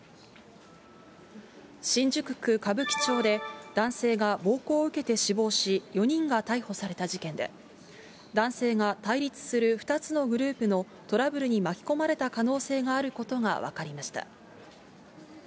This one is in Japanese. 新宿区歌舞伎町で、男性が暴行を受けて死亡し、４人が逮捕された事件で、男性が対立する２つのグループのトラブルに巻き込まれた可能性があることが分かりました。